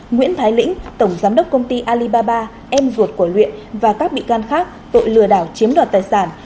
nguyễn thái lĩnh tổng giám đốc công ty alibaba em ruột của luyện và các bị can khác tội lừa đảo chiếm đoạt tài sản